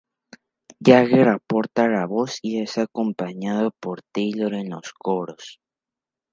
Jagger aporta la voz y es acompañado por Taylor en los coros.